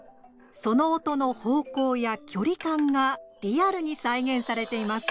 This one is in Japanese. その音の方向や距離感がリアルに再現されています。